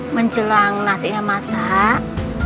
menjelang nasinya masak